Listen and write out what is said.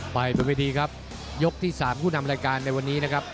ไปบนเวทีครับยกที่๓ผู้นำรายการในวันนี้นะครับ